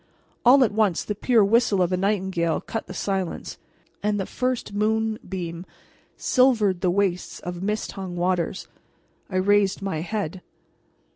All at once the pure whistle of a nightingale cut the silence, and the first moonbeam silvered the wastes of mist hung waters. I raised my head.